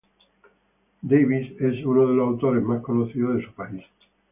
Davies es uno de los autores más conocidos de su país.